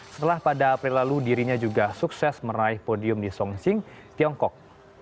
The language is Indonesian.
setelah pada april lalu dirinya juga sukses meraih podium di chong chi sing tiongkok